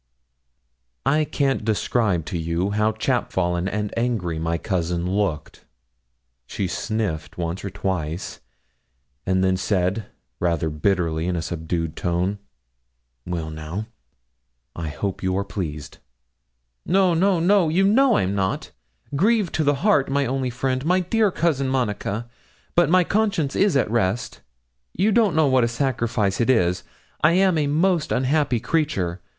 I can't describe to you how chapfallen and angry my cousin looked. She sniffed once or twice, and then said, rather bitterly, in a subdued tone: 'Well, now; I hope you are pleased?' 'No, no, no; you know I'm not grieved to the heart, my only friend, my dear Cousin Monica; but my conscience is at rest; you don't know what a sacrifice it is; I am a most unhappy creature.